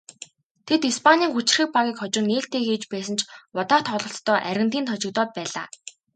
Тэд Испанийн хүчирхэг багийг хожин нээлтээ хийж байсан ч удаах тоглолтдоо Аргентинд хожигдоод байлаа.